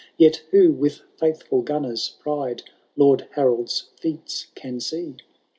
Yet who with fiuthfiil Ghumar^s pride Lord Harold's feats can see ?